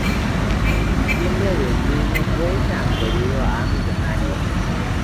En diciembre del mismo fue transferido a Millonarios.